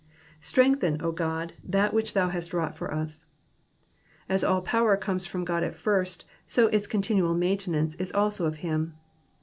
*^^ Strengthen, O Ood, that which thou hast vyfmight for ««." As all power comes from God at first, so its continual maintenance is also of him.